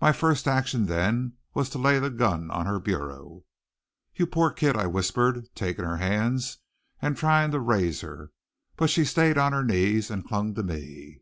My first action then was to lay the gun on her bureau. "You poor kid!" I whispered, taking her hands and trying to raise her. But she stayed on her knees and clung to me.